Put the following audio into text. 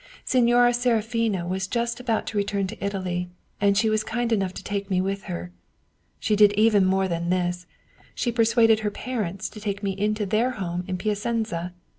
Signora Seraphina was just about to return to Italy, and she was kind enough to take me with her. She did even more than this: she per suaded her parents to take me into their home in Pia cenza.